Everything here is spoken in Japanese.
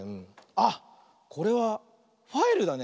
あっこれはファイルだね。